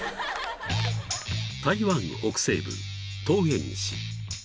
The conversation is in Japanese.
［台湾北西部桃園市］